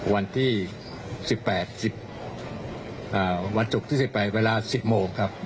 วันที่๑๘๑วันศุกร์ที่๑๘เวลา๑๐โมงครับ